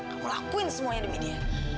aku lakuin semuanya demi dia